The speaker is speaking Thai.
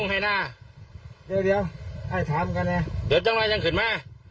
ไม่จะเจ็บนี่หรือค่ะ